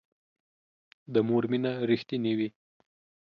د مور مینه رښتینې وي